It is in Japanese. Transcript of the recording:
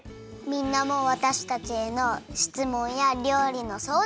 みんなもわたしたちへのしつもんやりょうりのそうだん。